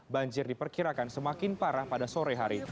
banjir diperkirakan semakin parah pada sore hari